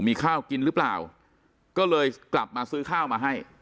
มีข้าวกินหรือเปล่าก็เลยกลับมาซื้อข้าวมาให้